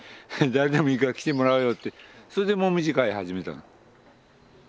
誰でもいいから来てもらおうよってそれでもみじ会始めたの。